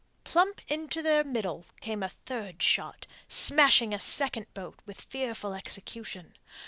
Plump into their middle came a third shot, smashing a second boat with fearful execution.